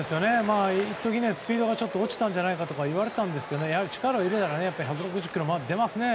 一時スピードが落ちたんじゃないかと言われてましたがやはり力を入れると１６０キロ近く出ますよね。